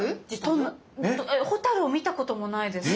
蛍⁉蛍を見たこともないですし。